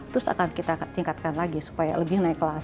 terus akan kita tingkatkan lagi supaya lebih naik kelas